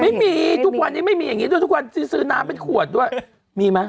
ไม่มีทุกวันนี้ไม่มีอย่างงี้ด้วยทุกวันที่ซื้อน้ำเป็นขวดด้วยมีไหม